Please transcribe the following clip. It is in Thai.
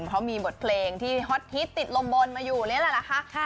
เพราะมีบทเพลงที่ฮอตฮิตติดลมบนมาอยู่นี่แหละนะคะ